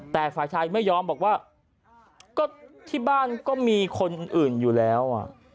แต่ฝ่ายชายไม่ยอมบอกว่าก็ที่บ้านก็มีคนอื่นอยู่แล้ว